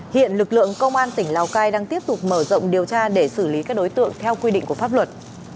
hiện lực lượng công an tỉnh lào cai đang tiếp tục mở rộng điều tra để xử lý các đối tượng theo quy định của pháp luật